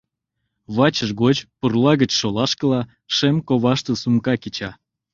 Вачыж гоч, пурла гыч шолашкыла, шем коваште сумка кеча.